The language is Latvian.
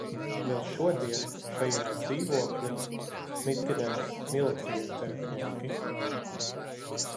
Vēl šodien šajā dzīvokli mitinās milicijas darbinieki.